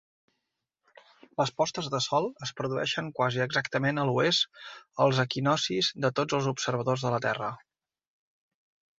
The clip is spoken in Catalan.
Les postes de sol es produeixen quasi exactament a l'oest als equinoccis de tots els observadors de la Terra.